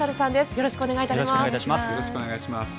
よろしくお願いします。